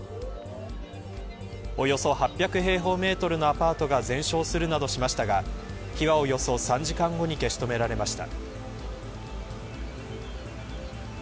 およそ８００平方メートルのアパートが全焼するなどしましたが火はおよそ３時間後に消し止められました。